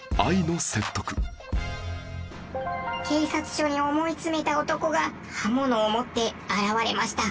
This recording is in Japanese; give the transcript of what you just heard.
警察署に思い詰めた男が刃物を持って現れました。